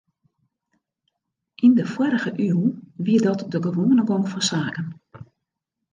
Yn de foarrige iuw wie dat de gewoane gong fan saken.